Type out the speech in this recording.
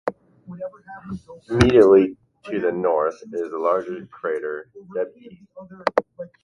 Immediately to the north is the larger crater Debye.